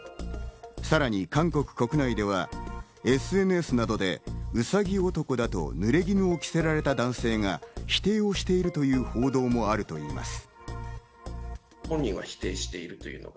さらに韓国国内ではＳＮＳなどでウサギ男だと濡れ衣を着せられた男性が否定をしているという報道もあるといいます。